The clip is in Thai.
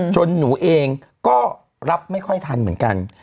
หนูเองก็รับไม่ค่อยทันเหมือนกัน